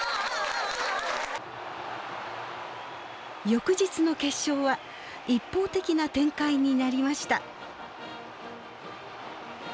翌日の決勝は一方的な展開になりました。